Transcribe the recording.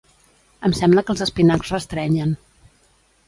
Em sembla que els espinacs restrenyen.